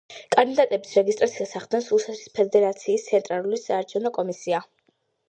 კანდიდატების რეგისტრაციას ახდენს რუსეთის ფედერაციის ცენტრალური საარჩევნო კომისია.